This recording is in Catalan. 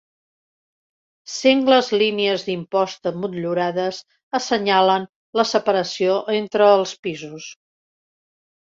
Sengles línies d'imposta motllurades assenyalen la separació entre els pisos.